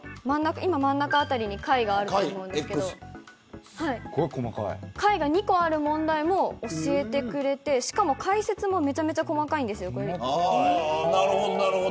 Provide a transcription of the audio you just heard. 真ん中あたりに解があると思いますが解が２個ある問題も教えてくれてしかも解説もめちゃくちゃ細かいんです。